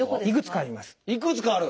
いくつかある？